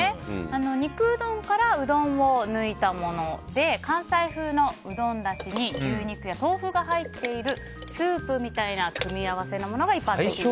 肉うどんからうどんを抜いたもので関西風のうどんだしに牛肉や豆腐が入っているスープみたいな組み合わせのものが一般的です。